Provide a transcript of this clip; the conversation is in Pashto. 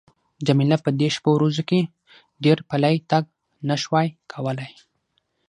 جميله په دې شپو ورځو کې ډېر پلی تګ نه شوای کولای.